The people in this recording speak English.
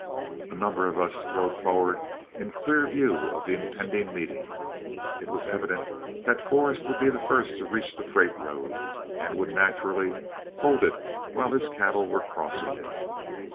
A number of us rode forward in clear view of the impending meeting. It was evident that Forrest would be the first to reach the freight road, and would naturally hold it while his cattle were crossing it.